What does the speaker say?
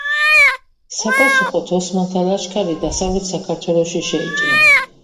საპასუხოდ ოსმალთა ლაშქარი დასავლეთ საქართველოში შეიჭრა.